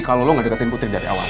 kalau lo gak deketin putri dari awal